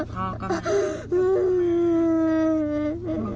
พ่อก็มาก